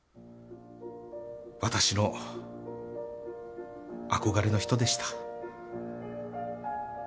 私の憧れの人でした。